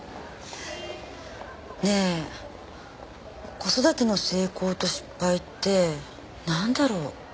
ねえ子育ての成功と失敗ってなんだろう？